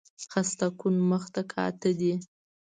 خسته کن مخ ته کاته دي